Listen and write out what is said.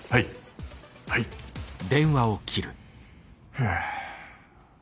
はあ。